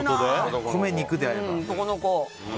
米、肉であれば。